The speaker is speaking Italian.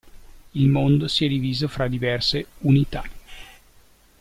Il mondo si è diviso fra diverse "unità".